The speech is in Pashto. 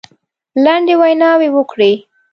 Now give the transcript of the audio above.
لنډې ویناوي وکړې.